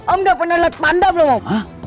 om udah pernah liat panda belum om